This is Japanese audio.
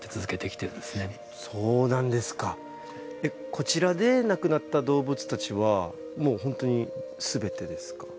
こちらで亡くなった動物たちはもう本当に全てですか？